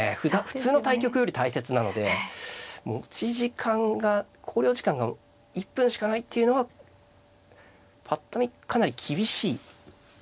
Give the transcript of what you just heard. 普通の対局より大切なので持ち時間が考慮時間が１分しかないっていうのはぱっと見かなり厳しい。